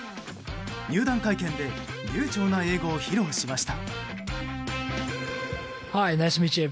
入団会見で流暢な英語を披露しました。